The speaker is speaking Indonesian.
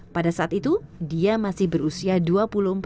pada saat itu dia masih berusia dua puluh empat tahun